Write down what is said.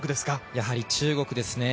やはり中国ですね。